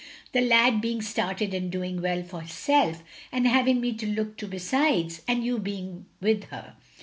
"The lad being started and doing well for hisself, and having me to look to besides, and you being with her.